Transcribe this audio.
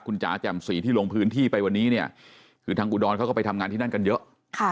คุณจ๋าแจ่มสีที่ลงพื้นที่ไปวันนี้เนี่ยคือทางอุดรเขาก็ไปทำงานที่นั่นกันเยอะ